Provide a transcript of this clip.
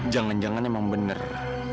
jangan jangan emang benar